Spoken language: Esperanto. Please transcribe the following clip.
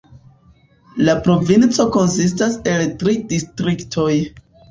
La provinco konsistas el tri distriktoj.